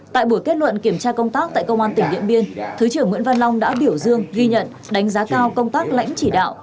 tại buổi kết luận kiểm tra công tác tại công an tỉnh điện biên thứ trưởng nguyễn văn long đã biểu dương ghi nhận đánh giá cao công tác lãnh chỉ đạo